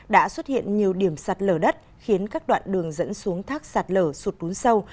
đã xuất hiện nhiều điểm sạt lở đất khiến các đoạn đường dẫn xuống thác sạt lở sụt lún sâu